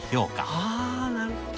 ああなるほど。